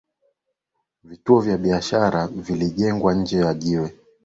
Vituo vya biashara vilijengwa nje ya jiwe